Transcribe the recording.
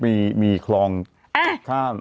ฟังลูกครับ